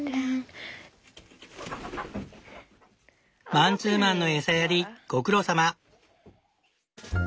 マンツーマンの餌やりご苦労さま！